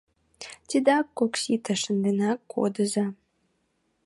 Тидат ок сите — шынденак кодыза.